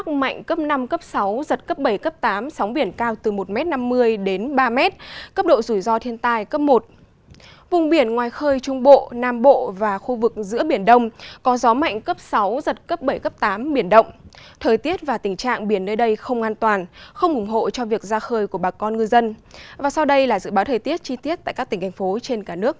các bạn có thể nhớ like share và đăng ký kênh của chúng mình nhé